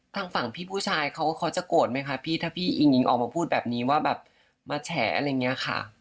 ทางฝั่งพี่ผู้ชายเขาจะโกรธไหมคะพี่ถ้าพี่อิงอิงออกมาพูดแบบนี้ว่าแบบมาแฉอะไรอย่างนี้ค่ะ